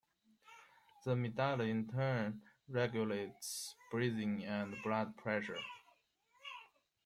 The medulla, in turn, regulates breathing and blood pressure.